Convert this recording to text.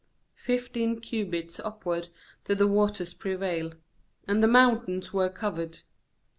20 GENESIS cubits upward did the waters prevail; and the mountains were covered.